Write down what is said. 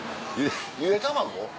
ゆで卵？